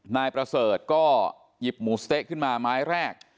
นายประเสริฐก็หยิบหมูสะเต๊ะขึ้นมาไม้แรก